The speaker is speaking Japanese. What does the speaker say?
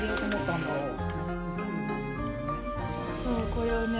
「これをね